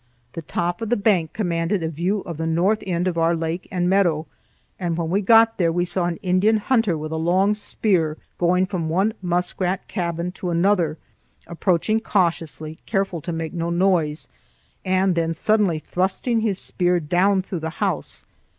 The top of the Bank commanded a view of the north end of our lake and meadow, and when we got there we saw an Indian hunter with a long spear, going from one muskrat cabin to another, approaching cautiously, careful to make no noise, and then suddenly thrusting his spear down through the house.